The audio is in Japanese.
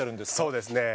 そうですね。